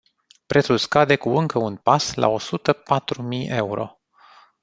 Prețul scade cu încă un pas, la o sută patru mii euro.